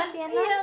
selamat ya non